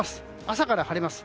朝から晴れます。